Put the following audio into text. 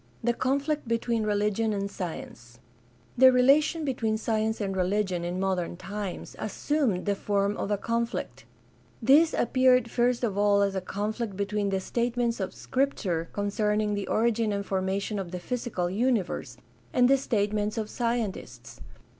The conflict between religion and science. — The relation between science and religion in modern times assumed the form of a conflict. This appeared first of all as a conflict between the statements of Scripture concerning the origin and formation of the physical universe and the statements of scientists.